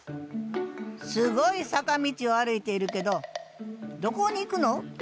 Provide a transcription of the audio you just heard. すごい坂道を歩いているけどどこに行くの？